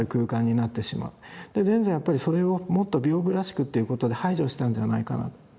田善はやっぱりそれをもっと屏風らしくということで排除したんじゃないかな。